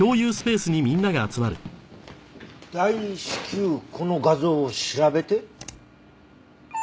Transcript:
「大至急この画像を調べて」？